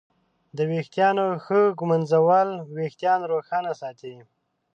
د ویښتانو ښه ږمنځول وېښتان روښانه ساتي.